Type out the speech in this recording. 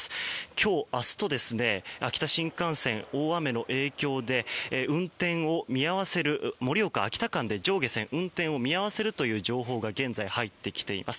今日、明日と秋田新幹線は大雨の影響で盛岡秋田間で上下線、運転を見合わせるという情報が現在、入ってきています。